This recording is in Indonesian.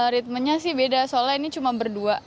ritmenya sih beda soalnya ini cuma berdua